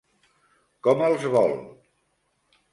Com els vol?